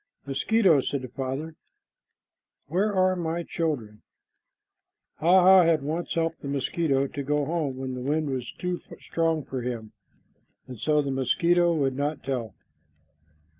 "Mosquito," said the father, "where are my children?" Hah hah had once helped the mosquito to go home when the wind was too strong for him, and so the mosquito would not tell.